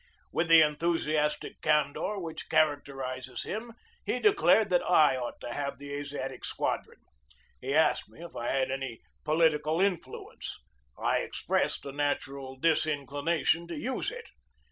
With the enthusiastic candor which characterizes him, he de clared that I ought to have the Asiatic Squadron. He asked me if I had any political influence. I ex pressed a natural disinclination to use it.